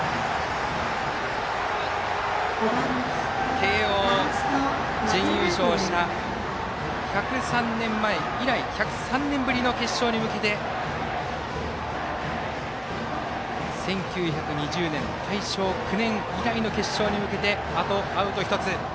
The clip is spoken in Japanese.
慶応、準優勝した１０３年ぶりの決勝に向けて１９２０年、大正９年以来の決勝に向けて、あとアウト１つ。